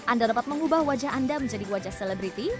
anda dapat mengubah wajah anda menjadi wajah selebriti